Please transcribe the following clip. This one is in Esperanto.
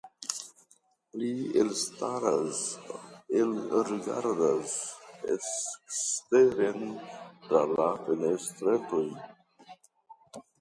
Li ekstaras, elrigardas eksteren tra la fenestretoj.